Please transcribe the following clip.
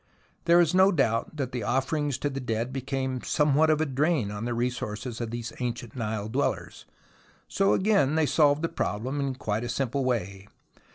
There is no doubt that the offerings to the dead became somewhat of a drain on the resources of these ancient Nile dwellers, so again they solved the problem in quite a simple way.